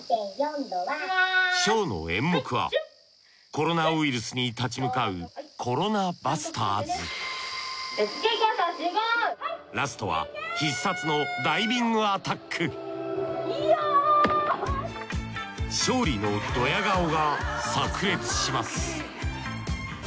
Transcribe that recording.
ショーの演目はコロナウイルスに立ち向かうコロナバスターズラストは必殺のダイビングアタック勝利のドヤ顔がさく裂します